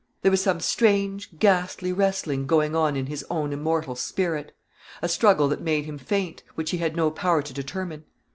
There was some strange, ghastly wrestling going on in his own immortal spirit, a struggle that made him faint, which he had no power to determine.